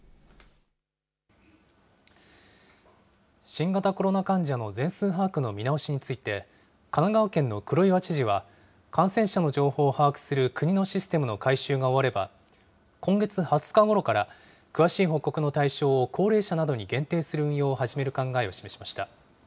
新型コロナ患者の全数把握の見直しについて、神奈川県の黒岩知事は、感染者の情報を把握する国のシステムの改修が終われば、今月２０日ごろから詳しい報告の対象を高齢者などに限定する運用